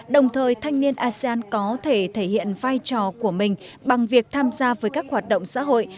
đồng thời thanh niên asean có thể thể hiện vai trò của mình bằng việc tham gia với các hoạt động xã hội